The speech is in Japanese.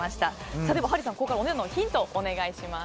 ハリーさん、ここからはヒントをお願いします。